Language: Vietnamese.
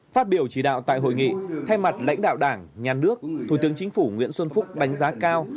phát biểu chỉ đạo tại hội nghị thay mặt lãnh đạo đảng nhà nước thủ tướng chính phủ nguyễn xuân phúc đánh giá cao